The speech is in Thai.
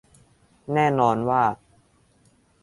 แน่นอนว่า